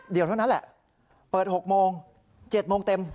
เท่านั้นแหละเปิด๖โมง๗โมงเต็ม